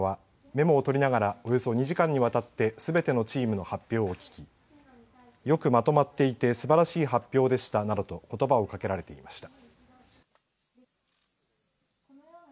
佳子さまはメモを取りながらおよそ２時間にわたってすべてのチームの発表を聞きよくまとまっていてすばらしい発表でした、などとことばをかけられていました。